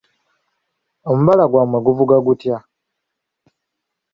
Omubala gwammwe guvuga gutya?